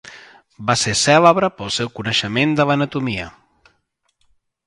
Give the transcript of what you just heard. Va ser cèlebre pel seu coneixement de l'anatomia.